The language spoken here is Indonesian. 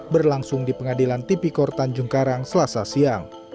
berlangsung di pengadilan tipikor tanjung karang selasa siang